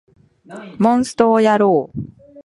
モンストをやろう